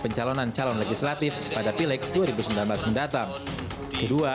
kpu menyeleksi calon legislator agar bebas dari korupsi